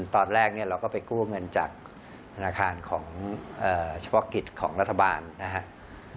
ตอนแรกเนี่ยเราก็ไปกู้เงินจากธนาคารของเฉพาะกิจของรัฐบาลนะครับ